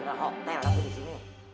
kira hotel apa di sini